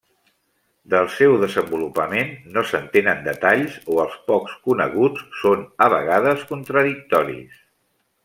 Del seu desenvolupament no se'n tenen detalls o els pocs coneguts són a vegades contradictoris.